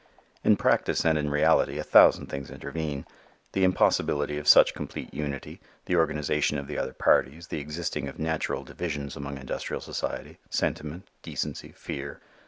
In practice and in reality a thousand things intervene the impossibility of such complete unity, the organization of the other parties, the existing of national divisions among industrial society, sentiment, decency, fear.